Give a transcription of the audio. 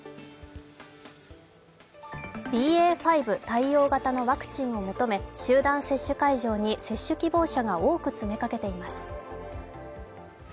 ５対応型のワクチンを求め集団接種会場に接種希望者が多く詰めかけています。